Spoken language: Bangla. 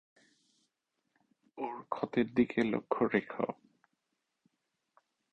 ওর ক্ষতের দিকে লক্ষ্য রেখো।